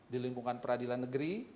di lingkungan peradilan negeri